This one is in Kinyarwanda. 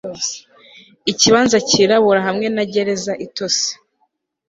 ikibanza cyirabura hamwe na gereza itose